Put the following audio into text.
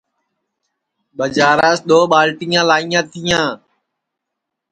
ٻجاراس دؔو ٻالٹیاں لائیںٚا تیاں